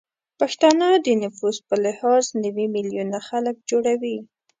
پښتانه د نفوس به لحاظ نوې میلیونه خلک جوړوي